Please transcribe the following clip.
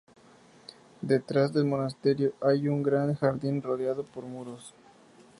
Detrás del monasterio, hay un gran jardín rodeado por muros.